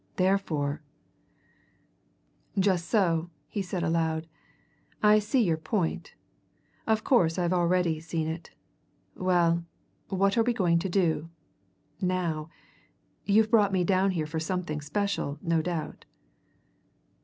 Therefore "Just so," he said aloud. "I see your point of course, I've already seen it. Well, what are we going to do now? You've brought me down here for something special, no doubt."